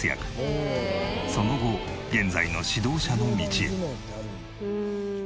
その後現在の指導者の道へ。